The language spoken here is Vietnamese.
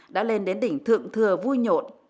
đã lên đến đỉnh thượng thừa vui nhộn